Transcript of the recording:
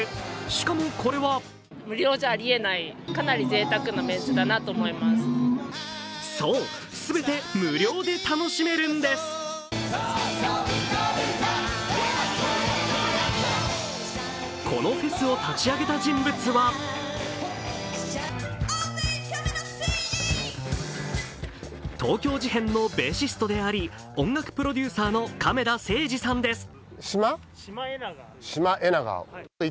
しかも、これはそう、全て無料で楽しめるんですこのフェスを立ち上げた人物は東京事変のベーシストであり音楽プロデューサーの亀田誠治さんです。